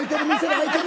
開いとる。